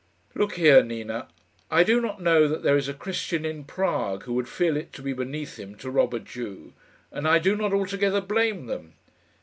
"Look here, Nina. I do not know that there is a Christian in Prague who would feel it to be beneath him to rob a Jew, and I do not altogether blame them.